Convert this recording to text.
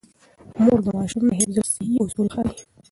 مور د ماشوم د حفظ الصحې اصول ښيي.